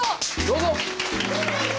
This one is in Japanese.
どうぞ！